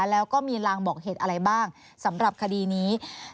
แล้วก็มีลางบอกเหตุอะไรบ้างสำหรับคดีนี้